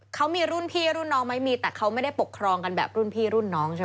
เขามีรุ่นพี่รุ่นน้องไม่มีแต่เขาไม่ได้ปกครองกันแบบรุ่นพี่รุ่นน้องใช่ไหม